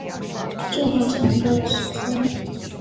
这么长的时间